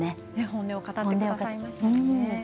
本音を語ってくれました。